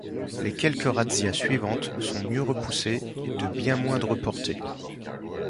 Les quelques razzias suivantes sont mieux repoussées et de bien moindre portée.